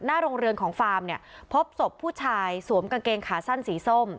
โรงเรือนของฟาร์มเนี่ยพบศพผู้ชายสวมกางเกงขาสั้นสีส้ม